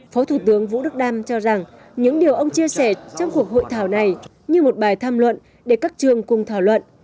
phó thủ tướng vũ đức đam cho rằng những điều ông chia sẻ trong cuộc hội thảo này như một bài tham luận để các trường cùng thảo luận